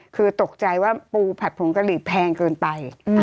คือตกใจว่าปูผัดผงกะหรี่แพงเกินไป